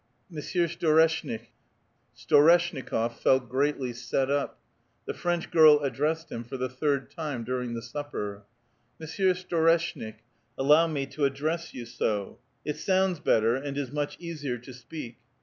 '' Monsieur Storeshnik." Storeshnikof felt greatly set up. The French girl addressed him for the third time during the supper. " Monsieur Storeshnik ! Allow me to address you so. It sounds better and is much easier to speak.